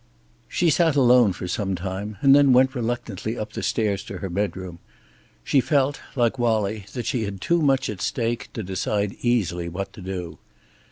She sat alone for some time and then went reluctantly up the stairs to her bedroom. She felt, like Wallie, that she had too much at stake to decide easily what to do.